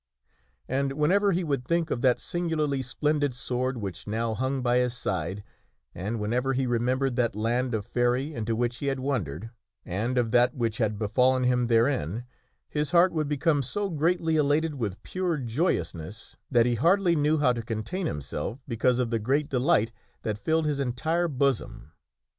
And whenever he would think of that singularly splendid sword which now hung by his side, and whenever he remembered that land of Faery into which he had wandered, and of that which had be 74 THE WINNING OF A SWORD fallen him therein, his heart would become so greatly elated with pure joyousness that he hardly knew how to contain himself because of the great delight that filled his entire bosom.